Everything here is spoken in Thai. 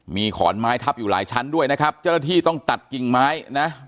มีขอนไม้ทับอยู่หลายชั้นด้วยนะครับเจ้าหน้าที่ต้องตัดกิ่งไม้นะ